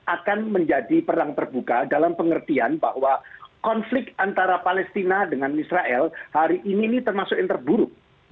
akan menjadi perang terbuka dalam pengertian bahwa konflik antara palestina dengan israel hari ini termasuk yang terburuk